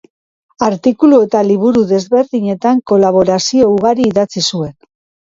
Artikulu eta liburu desberdinetan kolaborazio ugari idatzi zuen.